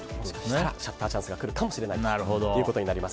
そしたらシャッターチャンスが来るかもしれないと。